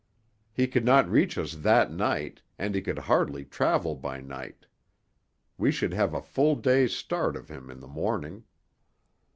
He could not reach us that night and he could hardly travel by night. We should have a half day's start of him in the morning.